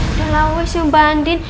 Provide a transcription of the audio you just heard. udah lah wesss ya bandin